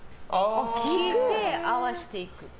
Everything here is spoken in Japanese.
聞いて、合わせていく。